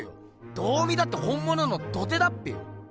どう見たって本ものの土手だっぺよ。